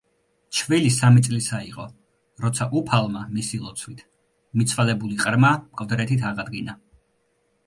ჩვილი სამი წლისა იყო, როცა უფალმა მისი ლოცვით მიცვალებული ყრმა მკვდრეთით აღადგინა.